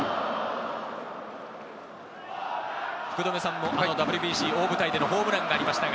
福留さんもＷＢＣ、大舞台でのホームランがありました。